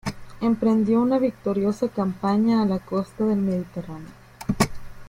Emprendió una victoriosa campaña a la costa del Mediterráneo.